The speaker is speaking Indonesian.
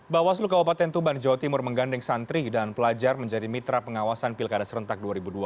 bawaslu kabupaten tuban jawa timur menggandeng santri dan pelajar menjadi mitra pengawasan pilkada serentak dua ribu dua puluh